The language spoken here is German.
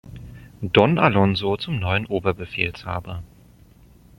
Don Alonso zum neuen Oberbefehlshaber.